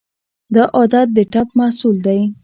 دا عادت د ټپ محصول دی.